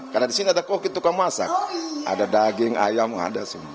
karena di sini ada koki tukang masak ada daging ayam ada semua